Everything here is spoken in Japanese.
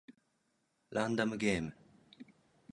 ランダムゲーム